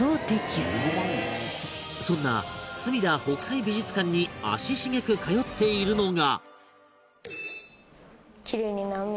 そんなすみだ北斎美術館に足しげく通っているのが